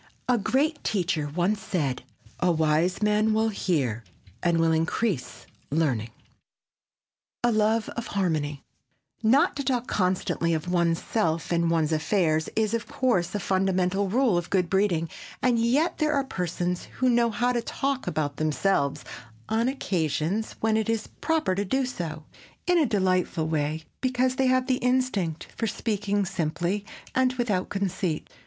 A great teacher once said, "A wise man will hear and will increase learning." [Sidenote: A LOVE OF HARMONY] Not to talk constantly of one's self and one's affairs is, of course, a fundamental rule of good breeding and yet there are persons who know how to talk about themselves—on occasions when it is proper to do so—in a delightful way, because they have the instinct for speaking simply and without conceit.